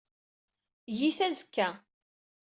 Eg-it azekka.